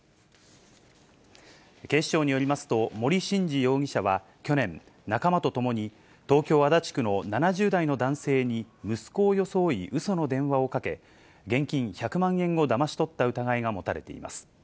警視庁によりますと、森伸二容疑者は去年、仲間と共に、東京・足立区の７０代の男性に息子を装い、うその電話をかけ、現金１００万円をだまし取った疑いが持たれています。